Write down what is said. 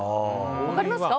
分かりますか？